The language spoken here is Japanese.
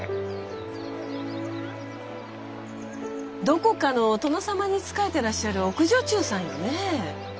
どこかのお殿様に仕えてらっしゃる奥女中さんよねぇ？